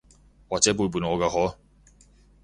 或者背叛我㗎嗬？